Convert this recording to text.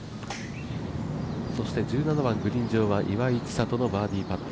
１７番、グリーン上は岩井千怜のバーディーパット。